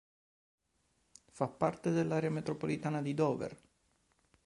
Fa parte dell'area micropolitana di Dover.